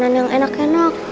makanan yang enak enak